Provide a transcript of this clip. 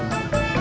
ya pat teman gue